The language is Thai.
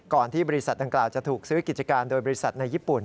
ที่บริษัทดังกล่าวจะถูกซื้อกิจการโดยบริษัทในญี่ปุ่น